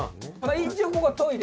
一応ここはトイレ。